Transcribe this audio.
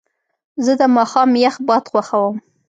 زه د ماښام یخ باد خوښوم.